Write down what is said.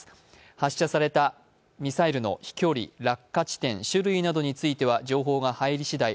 発射されたミサイルの飛距離、落下地点、種類などについては情報が入りしだい